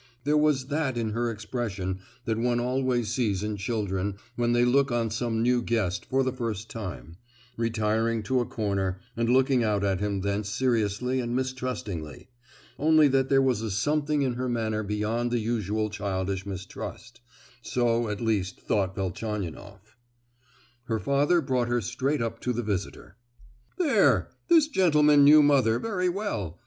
There was that in her expression that one always sees in children when they look on some new guest for the first time—retiring to a corner, and looking out at him thence seriously and mistrustingly; only that there was a something in her manner beyond the usual childish mistrust—so, at least thought Velchaninoff. Her father brought her straight up to the visitor. "There—this gentleman knew mother very well.